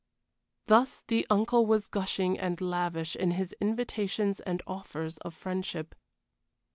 Thus the uncle was gushing and lavish in his invitations and offers of friendship.